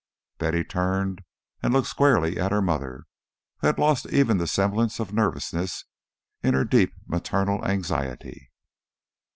Betty turned and looked squarely at her mother, who had lost even the semblance of nervousness in her deep maternal anxiety.